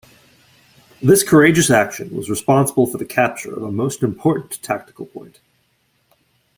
This courageous action was responsible for the capture of a most important tactical point.